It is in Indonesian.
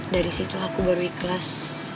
dari situ aku baru ikhlas